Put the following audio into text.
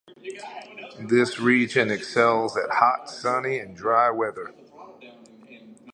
The region excels at hot, sunny and dry weather.